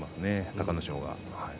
隆の勝が。